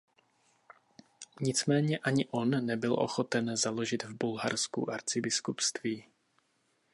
Nicméně ani on nebyl ochoten založit v Bulharsku arcibiskupství.